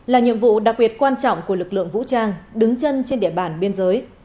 là nhiệm vụ đặc biệt quan trọng của lực lượng vũ trang đứng chân trên địa bàn biên giới